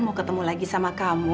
mau ketemu lagi sama kamu